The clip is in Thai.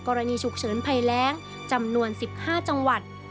กรณีฉุกเฉินภัยแรงจำนวน๑๕จังหวัด